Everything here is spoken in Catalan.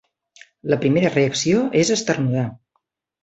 La primera reacció és esternudar.